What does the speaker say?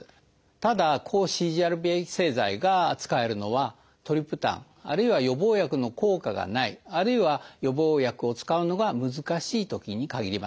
ただ抗ＣＧＲＰ製剤が使えるのはトリプタンあるいは予防薬の効果がないあるいは予防薬を使うのが難しいときに限ります。